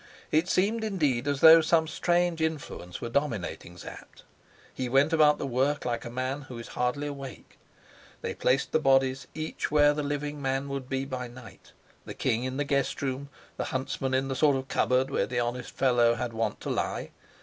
It seemed indeed as though some strange influence were dominating Sapt; he went about the work like a man who is hardly awake. They placed the bodies each where the living man would be by night the king in the guest room, the huntsman in the sort of cupboard where the honest fellow had been wont to lie.